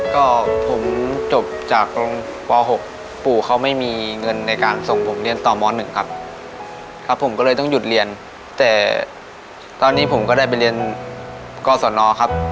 ก็ผมจบจากโรงเรียนป๖ปู่เขาไม่มีเงินในการส่งผมเรียนต่อม๑ครับครับผมก็เลยต้องหยุดเรียนแต่ตอนนี้ผมก็ได้ไปเรียนกศนครับ